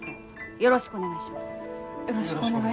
よろしくお願いします。